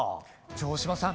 城島さん